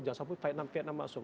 jangan sampai vietnam masuk